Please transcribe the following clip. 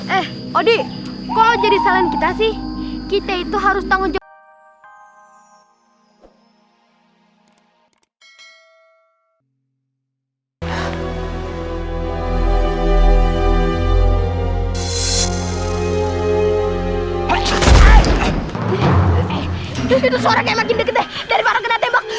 eh odi kalau jadi salin kita sih kita itu harus tanggung jawab